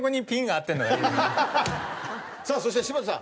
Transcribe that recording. そして柴田さん。